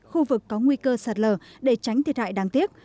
khu vực có nguy cơ sạt lở để tránh thiệt hại đáng tiếc